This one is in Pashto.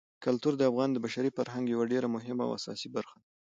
کلتور د افغانستان د بشري فرهنګ یوه ډېره مهمه او اساسي برخه ده.